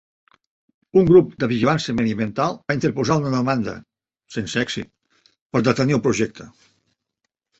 Un grup de vigilància mediambiental va interposar una demanda, sense èxit, per detenir el projecte.